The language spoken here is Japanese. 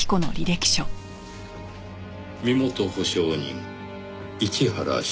「身元保証人市原祥子」